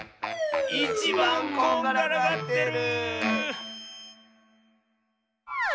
いちばんこんがらがってる！